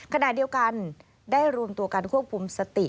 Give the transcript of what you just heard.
ขณะเดียวกันได้รวมตัวกันควบคุมสติ